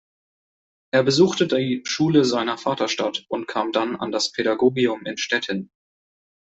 Er besuchte die Schule seiner Vaterstadt und kam dann an das Pädagogium in Stettin.